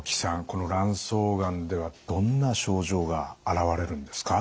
この卵巣がんではどんな症状が現れるんですか？